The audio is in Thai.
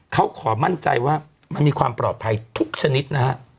เขาขอมั่นใจว่ามันมีความปลอดภัยทุกชนิดนะฮะ